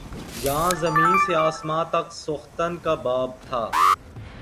یاں زمیں سے آسماں تک سوختن کا باب تھا